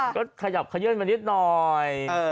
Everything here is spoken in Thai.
ก็ขยับขยื่นมานิดหน่อย